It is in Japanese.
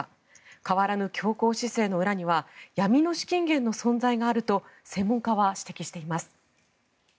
変わらぬ強硬姿勢の裏には闇の資金源の存在があると専門家は指摘しています。